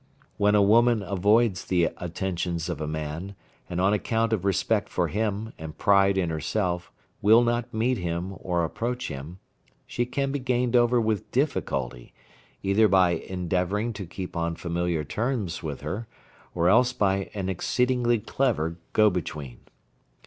When a woman avoids the attentions of a man, and on account of respect for him, and pride in herself, will not meet him or approach him, she can be gained over with difficulty, either by endeavouring to keep on familiar terms with her, or else by an exceedingly clever go between.